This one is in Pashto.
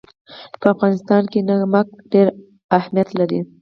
په افغانستان کې نمک ډېر اهمیت لري.